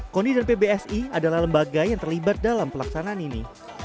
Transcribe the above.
koni dan pbsi adalah lembaga yang terlibat dalam pelaksanaan ini